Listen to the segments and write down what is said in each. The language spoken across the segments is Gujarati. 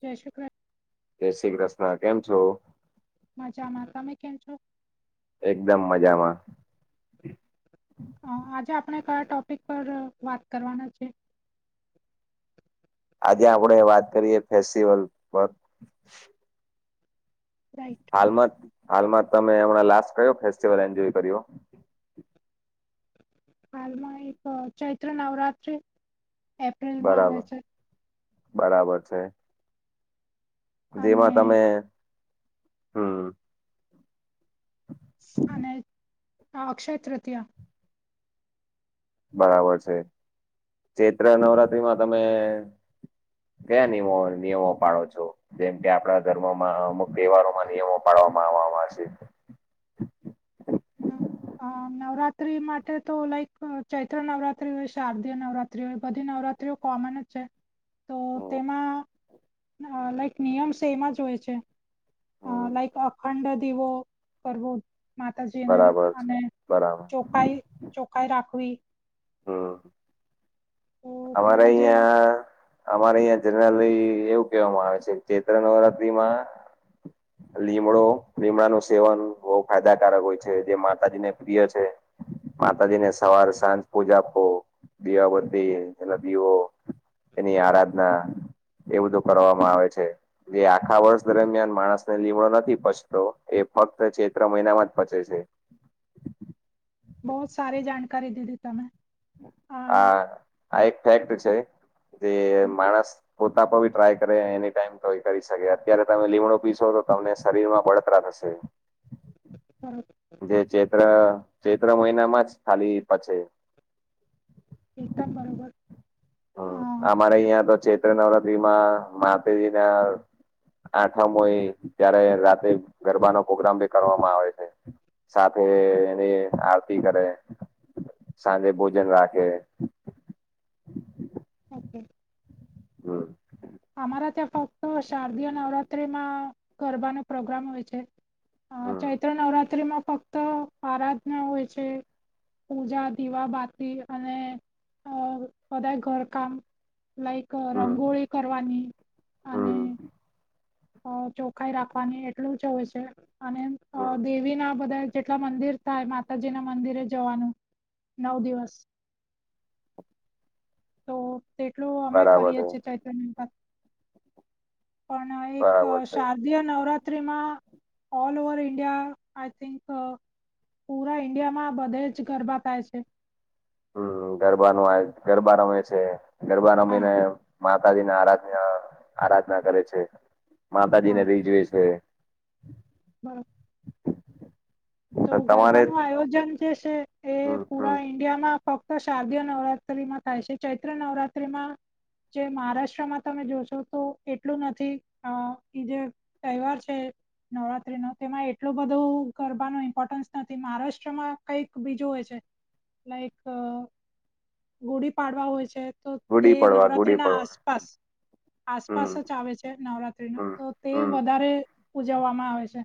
જય શ્રીક જય શ્રી કૃષ્ણ કેમ છો. મજામાં તમે કેમ છો. એકદમ મજામા હ આજે આપણે કયા ટોપિક પર વાત કરવાના છે. આજે આપડે વાત કરીએ ફેસ્ટિવલ પર રાઈટ હાલમાં હાલમાં તમે હમણાં લાસ્ટ કયો ફેસ્ટિવલ એન્જોય કર્યો હાલમાં એક ચૈત્ર નવરાત્ર્રી બરાબર બરાબર છે. અને જેમાં તમે હમ અને આ અક્ષય તૃતીયા બરાબર છે ચૈત્ર નવરાત્રીમાં તમે કયા નિયમો નિયમો પાળો છો. જેમ કે આપણા ધર્મમાં અમુક તહેવારોમાં નિયમો પાળવામાં આવવામાં છે. [inaudible] હા નવરાત્રી માટે તો લાઈક અ ચૈત્ર નવરાત્રી હોય શારદીય નવરાત્રી હોય, બધી નવરાત. ત્રીઓ કોમન જ છે. તો હમ તેમાં અ લાઈક નિયમ સેમ જ હોય છે. અ હમ લાઈક અખંડ દીવો કરવો માતાજીને બરાબર અને બરાબર ચોખાઈ ચોખાઈ રાખવી. હમ, તો અમાર તેવા જે અહિયાં અમાર અહીંયા જનરલી એવું કેહવામાં આવે છે ચૈત્ર નવરાત્રીમાં લીમડો લીમડાનું સેવન બહુ ફાયદાકારક હોય છે, જે માતાજીને પ્રિય છે. માતાજીને સવાર સાંજ પૂજાપો, દીવાબતી અને દીવો એની આરાધના એ બધું કરવામાં આવે છે. જે આખા વર્ષ દરમિયાન માણસને લીમડો નથી પચતો એ ફક્ત ચૈત્ર મહિનામાં જ પચે છે. બહુ સારી જાણકારી દીથી તમે આ આ એક ફેક્ટ છે, જે માણસ પોતા પર ભી ટ્રાય કરે એનીટાઈમ તોઈ કરી શકે અત્યારે તમે લીમડો પીશો તો તમને શરીરમાં બળતરા થશે. [inaudible] જે ચૈત્ર ચૈત્ર મહિનામાં જ ખાલી પચે એકદમ બરોબર હ હા અમાર અહિયાં તો ચૈત્ર નવરાત્રીમાં માતેજીના આઠમ હોય ત્યારે રાતે ગરબાનો પ્રગ્રામ બી કરવામાં આવે છે. સાથે એની આરતી કરે સાંજે ભોજન રાખે ઓકે હમ્મ અમારા ત્યાં ફક્ત શારદીય નવરાત્રીમાં ગરબાનો પ્રોગ્રામ હોય છે. અ હમ ચૈત્ર નવરાત્રીમાં ફક્ત આરાધના હોય છે. પૂજા દીવાબાતી અને અ બધાયે ઘર કામ લાઈક હમ રંગોળી કરવાની અને હમ અ ચોખાઈ રાખવાની એટલું જ હોય છે અને અ હમ દેવીના બધા જેટલા મંદિર થાય માતાજીના મંદિરે જવાનું નવ દિવસ તો તેટલું અમે બરાબર કરીએ છે છીએ ચૈત્રની અંદર પણ અ એક બરાબર છે શા ઈન્ડિયા નવરાત્રીમાં all over India I think uh પુરા ઈન્ડિયામાં બધે જ ગરબા થાય છે. હમ ગરબાનું આયો ગરબા રમે છે, ગરબા હા રમીને માતાજીને આરાધના આરાધના કરે છે. હા માતાજીને રિજવે સે [inaudible] તો તમારે ગરબાનું આયોજન જે સે એ હમ હમ પુરા ઈ ઇન્ડિયામાં ફક્ત શારદીયો નવરાત્રીમાં થાય છે ચૈત્ર નવરાત્રીમાં જે મહારાષ્ટ્રમાં તમે જોશો તો એટલું નથી અહ ઈ જે તહેવાર છે નવરાત્રીનો તેમાં એટલો બધો ગરબાનો ઇ મ્પોર્ટન્સ નથી મહારાષ્ટ્રમાં કઈક બીજું હોય છે લાઈક અહ ગુડી પાડવા હોય છે તો તે ગુડી પડવા ગુડી નવરાત્રીના પડવા આસપાસ આસપાસ હમ જ આવે છે નવરાત્રીના હમ તો તે હમ વધારે ઉજવવામાં આવે છે.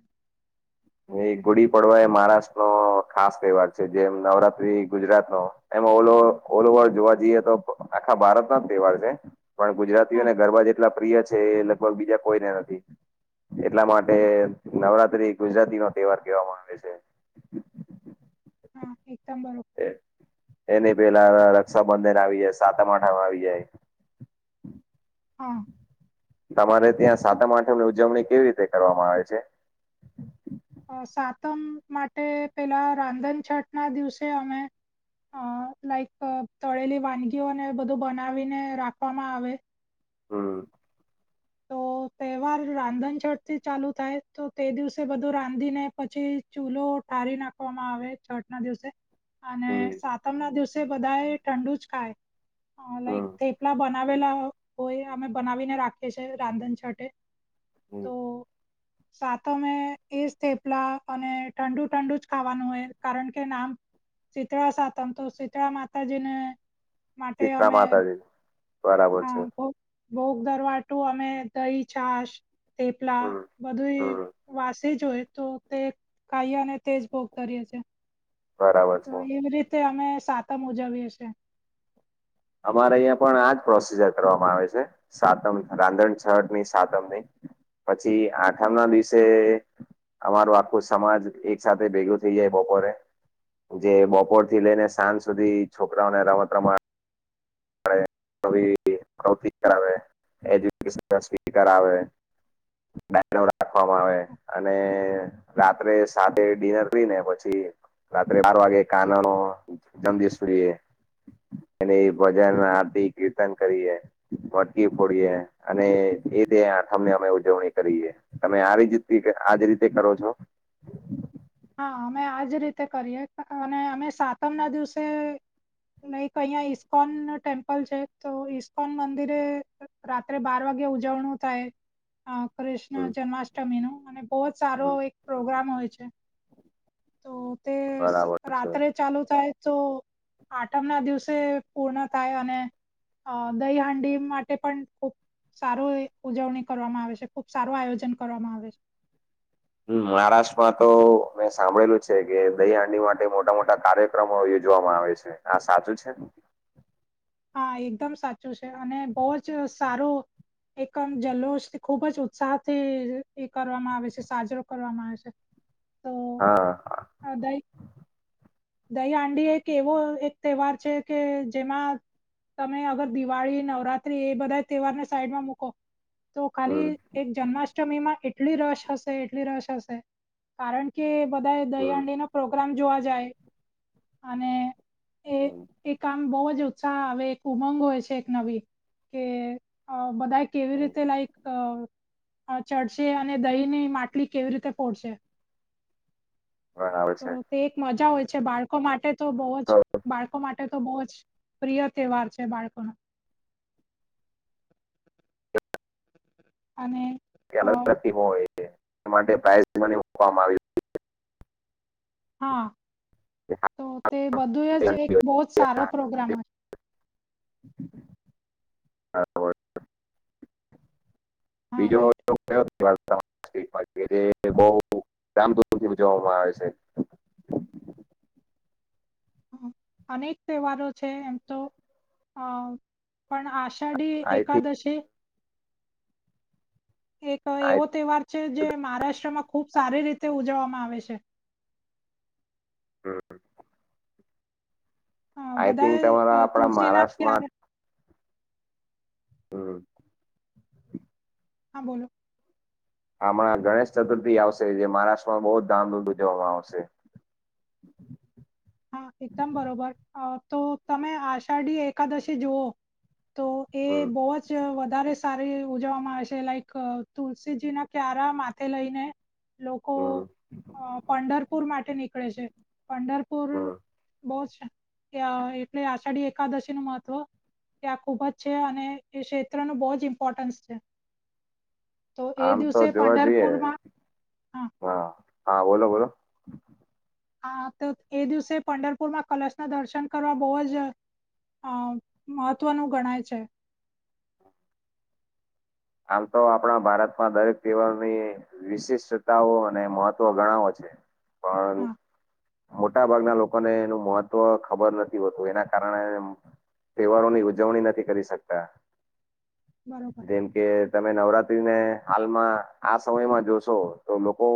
એ ગુડી પડવા એ મહારાષ્ટ્ર નો ખાસ તહેવાર છે જેમ નવરાત્રી ગુજરાત નો એમાં ઓલો ઓલ ઓવર જોવા જઈએ તો આખા ભારત નો જ તહેવાર છે. પણ ગુજરાતી હા ઓને ગરબા જેટલા પ્રિય છે એ લગભગ બીજા કોઈને નથી. એટલા માટે બરોબર નવરાત્રી ગુજરાતી નો તહેવાર કેહેવામાં આવે છે. હા, એકદમ બરો તે એની પેલા રક્ષાબંધન આવી જાય સાતમ આઠમ આવી જાય. હા. તમારે ત્યાં તો સાતમ આઠમ ની ઉજવણી કેવી રીતે કરવામાં આવે છે? અહ સાતમ માટે પેલા રાંધનછટ ના દિવસે અમે અહ લાઈક અહ તળેલી વાનગીઓને બધું બનાવીને રાખવામાં આવે. હમ્મ. તો હ તહેવાર રાંધણછટ થી ચાલુ થાય તો તે દિવસે બધું રાંધીને પછી ચૂલો ઠારી નાખ આપવામાં આવે છટ ના દિવસે. અને હમ સાતમ ના દિવસે બધા એ ઠંડુ જ ખાય અહ લાઈક હમ થેપલા બના બનાવેલા હોય અમે બનાવીને રાખીએ છેએ રાંધન છટે. હમ તો સાતમે એજ થેપલા અને ઠંડુ ઠંડુ જ ખાવાનું હોય કારણ કે નામ શીતળા સાતમ તો શીતળા માતા જેને માટે શીતળા અમે માતાજી બરાબર હા છે. બોગ બોગ દરવાટું અમે દહી છાશ થેપલા હમ બધું હમ વાસ તે જો હોય તો તે કાયાને તેજ ભોગ કરીએ છે. બરાબર છે. તે અમે સાતમ ઉજાવીએ છે. અમારે અહિયાં પણ આજ પ્રોસીજર કરવામાં આવે છે. સાતમ રાંધણછટ ની સાતમ ની પછી આઠમ ના દિવસે અમારો આખો સમાજ એક સાથે ભેગું થઈએ બપોરે જે બપોર થી લઈને સાંજ સુધી છોકરાઓને રમત રમા [unintelligible] કરાવે. બનો રાખવામાં આવે અને રાત્રે સાતે ડીનર કરી ને પછી રાત્રે બાર વાગે કાના નો જમ દીશરીએ એને ભજન આરતી કીર્તન કરીએ. મટકી ફોડીએ અને એ દે આઠમને અમે ઉજવણી કરીએ. તમે આ જ આજ રીતે કરો છો? હા, અમે આ જ રીતે કરીએ અને અમે સાતમના દિવસે નઈક અહિયાં ઈસ્કોન ટેમ્પલ છે તો ઈસ્કોન મંદિરે રાત્રે બાર વાગે ઉજવળું થાય અહ કૃષ્ણ હમ જન્માષ્ટમી નું અને બહુ જ સારો હમ એક પ્રોગ્રામ હોય છે. તો તે સ બરાબર છે રાત્રે ચાલુ થાય તો આઠમ ના દિવસે પૂર્ણ થાય અને અહ દહી હાંડી માટે પણ ખૂબ સારું એ ઉજવણી કરવામાં આવે છે ખુબ સારું આયોજન કરવામાં આવે છે. હમ્મ મહારાષ્ટ્રમાં તો મેં સાંભળેલું છે કે દહી હાંડી માટે મોટા મોટા કાર્ય ક્રમો યોજવામાં આવે છે આ સાચું છે. હા એકદમ સાચું છે અને બઉ જ સારું એકમ જલોષ ખુબ જ ઉત્સાહથી એ કરવામાં આવે છે સાજરો કરવામાં આવે છે. હા. હગાઈ દહીહાડી એક એવો એક તહેવાર છે કે જેમાં તમે અગર દિવાળી નવરાત્રી એ બધાં તહેવારને સાઈડમાં મૂકો. તો ખાલી હમ એક જન્માષ્ટમીમાં એટલી રસ હશે એટલી રસ હશે. કારણ કે બધા હમ દહીહાંડીનો પ્રોગ્રામ જોવા જાય. અને એ હમ એક આમ બહુ જ ઉત્સાહ આવે એક ઉમંગ હોય છે એક નવી કે અ બધાય કેવી હમ રીતે લાઈક અ અ ચઢશે અને દહીની માટલી કેવી રીતે ફોડશે? બરાબર તો છે. તે એક મજા હોય છે બાળકો માટે તો બોવ જ તો બાળ કો માટે તો બવ જ પ્રિય તહેવાર છે બાળકોનો. અને અ અલગ હોય છે એ પ્રાઈઝ મની મૂકવામાં આવી. હા છે. તો તે બધું જ હાઈ એક અને બો જ એ સારો આ પ્રોગ્રામ બે હોય. હા બીજો [inaudible] [inaudible] જે બઉ ધામધૂમથી ઉજવવામાં આવે છે. અનેક તહેવારો છે એમ તો અ પણ આશ ષાઢી આઈ થિંક એકાદશી એક આઈ એવો તહેવાર છે જે મહારાષ્ટ્રમાં ખૂબ સારી રીતે ઉજવવામાં આવે છે. હમ્મ. હ બધાં તમારા આપણા તુલસીના ક્યા મહારાષ્ટ્રમાં હમ હા બોલો. હમણાં ગણેશ ચતુર્થી આવશે જે મહારાષ્ટ્રમાં બઉ જ ધામધૂમથી ઉજવવામાં આવશે. હા એકદમ બરોબર અ તો તમે આષાઢી એકાદશી જોઓ તો એ હમ બોવ જ ચ વધારે સારી ઉજવવામાં આવે છે લાઈક તુલસીજી ના ક્યારા માથે લઈને લોકો હમ અ પંંઢરપુર માટે નીકળે છે પંઢર પુર હમ બો છે એટલે અષાઢી એકાદશીનું મહત્વ ત્યાં ખૂબ જ છે અને એ ક્ષેત્રનું બો જ ઈમ્પોર્ટન્સ છે. તો એ આમ દિવસે તો જોવા જઈએ પંંઢરપુરમાં હા હા બોલો બોલો. હા તો એ દિવસે પંંઢરપુરમાં કલશના દર્શન કરવા બવ જ અ મહત્વનું ગણાય છે. આમ તો આપણા ભારતમાં દરેક તહેવારની વિશિષ્ટતાઓ અને મહત્વ ઘણા હોય છે પણ હા મોટાભાગનાં લોકોને એનું મહત્વ ખબર નથી હોતું એના કારણે તહેવારોની ઉજવણી નથી કરી શકતાં બરોબર જેમ કે તમે નવરાત્રીને હાલમાં આ સમયમાં જોશો તો લોકો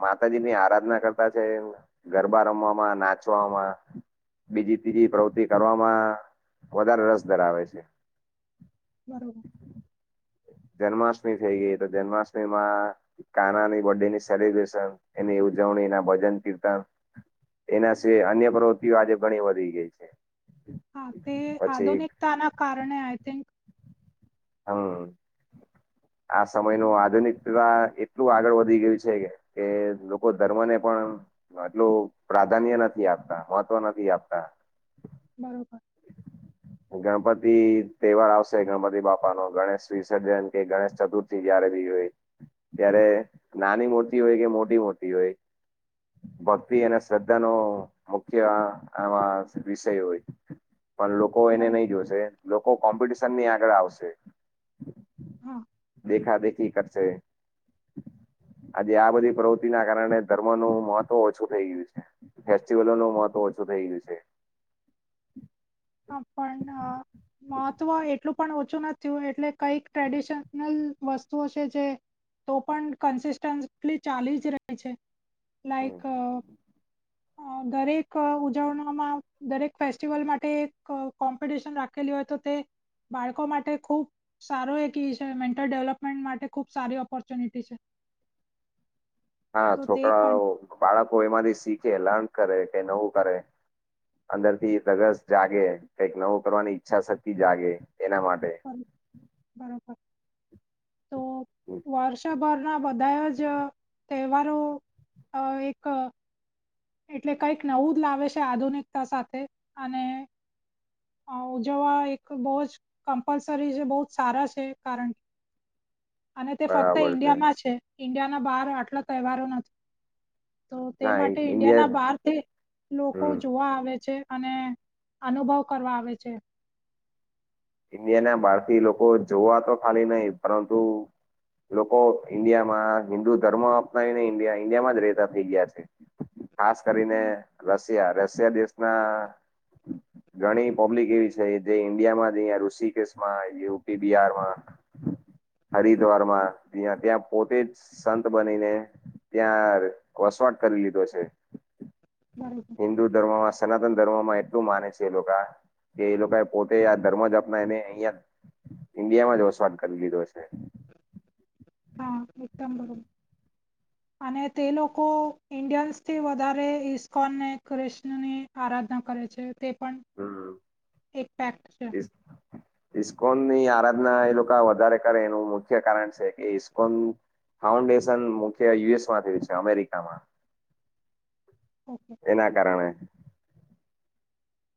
માતાજીની આરાધના કરતાં છે ગરબા રમવામાં, નાચવામાં બીજી ત્રીજી પ્રવૃતિ કરવામાં વધારે રસ ધરાવે છે. બરોબર. જન્માષ્ટમી થઈ ગઈ તો જન્માષ્ટમીમા કાનાની બર્થ ડે ની સેલિબ્રેશન એની ઉજવણી એના ભજન કીર્તન એના સિવાય અન્ય પ્રવૃત્તિઓ આજે ઘણી વધી ગઈ છે. હા તે પછી આધુનિકતાના કારણે આય થિંક હા આ સમય નો આધુનિક એવા એટલું આગળ વધી ગયું છે કે લોકો ધર્મ ને પણ એટલું પ્રાધાન્ય નથી આપતા, મહત્વ નથી આપતા. બરોબર. ગણપતિ તહેવાર આવશે, ગણપતિ બાપા નો ગણેશ વિસર્જન કે ગણેશ ચતુર્થી. જ્યારે જોયે ત્યારે નાની મૂતિ હોય કે મોટી મૂતિ હોય ભક્તિ અને શ્રદ્ધા નો મુખ્ય આ વિષય પણ લોકો એને બરોબર. નય જોશે લોકો કોમ્પિટિશનની આગળ આવશે. હા, દેખા દેખી કરશે આજે આ હા, બધી પ્રવૃતિ ના કારણે- - ધર્મ નું મહત્વ ઓછું થઇ ગયું છે ફેસ્ટિવલો નુ મહત્વ ઓછું થઇ ગયું છે. હા પણ અ મહત્વ એટલું પણ ઓછું નથ થયું એટલે કઈક ટ્રેડિશનલ વસ્તુઓ છે જે- - તો પણ કન્સિસ્ટન્સલી ચાલી જ રહી છે લાઈક- - અ દરેક ઉજવણીમાં, દરેક ફેસ્ટિવલ માટે- - ક કોમ્પિટિશન રાખેલી હોય તો તે બાળકો માટે ખૂબ- - સારો એક છે મેન્ટલ ડેવલપમેન્ટ માટે ખુબ સારી ઓપોર્ચ્યુનિટી છે. [inaudible] હા તો તે પણ છોકરાઓ, બાળકો એમાંથી શીખે લર્ન કરે કે નવું કરે. અંદર થી ધગસ જાગે અંદર થી કઈક નવું કરવાની ઈચ્છા શક્તિ જાગે એના માટે- - અમ બરોબર તો વરસોભર- - પણ આ બધા જ તહેવારો એક- - એટલે કઈક નવું જ લાવે છે આધુનિકતા સાથે અને- - અ ઉજવવા એક બો જ કમ્પલસરી એ બો જ સારા છે કારણ કે- - અને તે ફક્ત ઈન્ડિયામાં છે ઇન્ડિયાના બહાર આટલા તહેવારો નથી. તો તે ના માટે ઈન્ડિયા ના ઇન્ડિયા બહારથી લોકો હમ જોવા આવે છે અને- - અનુભવ કરવા આવે છે. ઈન્ડિયા ના બહાર થી લોકો જોવા તો ખાલી નય પરંતુ- - લોકો ઈન્ડિયામાં હિન્દુ ધર્મ અપનાવીને ઇન્ડિયા ઈન્ડિયા માં જ રહેતા થઇ ગયા છે. ખાસ કરીને રશિયા રશિયા દેશ- - માં ઘણી પબ્લિક એવી છે જે ઇન્ડિયામાં- - જેવા ઋષિકેશ માં, યુપી બિહારમાં- - હરિદ્વારમાં ત્યાં ત્યાં પોતે જ સંત બનીને- - ત્યાં વસવાટ કરી લીધો છે. બરા- - હિન્દુ ધર્મમાં, સનાતન ધર્મમાં એટલું માને છે એ લોકો આ- - કે એ લોકો પોતે આ ધર્મ જ અપનાવીને અહંયા- - ઇન્ડિયા માં જ વસવાટ કરી લીધો છે. હા એકદમ બરો [inaudible] અને તે લોકો ઇન્ડિયન્સથી વધારે ઈસ્કોન ને કૃષ્ણ ની- - આરાધના કરે છે તે પણ હમ એક ફેક્ટ છે. ઈસ્કોન ની આરાધના એ લોકો વધારે કરે એનું મુખ્ય કારણ છે કે ઈસ્કોન- - ફાઉન્ડેશન મુખ્ય યુએસ માંથી છે અમેરિકામાં- - ઓકે. એના કારણે- -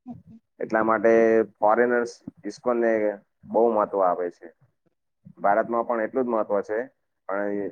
ઓકે. એટલા માટે ફોરેનર્સ ઇસ્કોનને બો મહત્વ આપે છે. ભારતમાં પણ એટલું જ મહત્વ છે અ એ